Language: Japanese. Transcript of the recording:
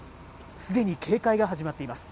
すでに警戒が始まっています。